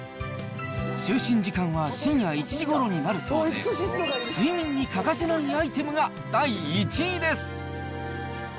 就寝時間は深夜１時ごろになるそうで、睡眠に欠かせないアイテムが第１位です。